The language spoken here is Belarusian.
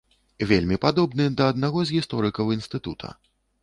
Вельмі падобны да аднаго з гісторыкаў інстытута.